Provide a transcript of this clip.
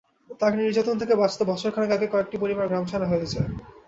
তাঁর নির্যাতন থেকে বাঁচতে বছর খানেক আগে কয়েকটি পরিবার গ্রামছাড়া হয়েছে।